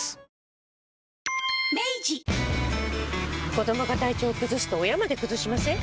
子どもが体調崩すと親まで崩しません？